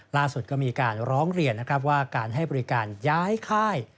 ล่าสุดก็มีการร้องเรียนนะครับว่าการให้บริการย้ายค่าย